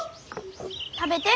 食べて。